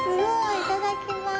いただきます。